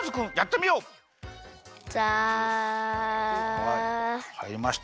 はいはいりました。